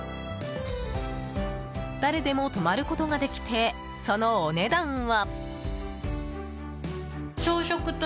誰でも泊まることができてそのお値段は。